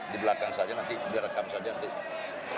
di belakang saja nanti direkam saja nanti